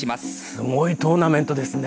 すごいトーナメントですね。